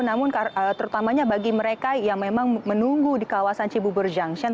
namun terutamanya bagi mereka yang memang menunggu di kawasan cibubur junction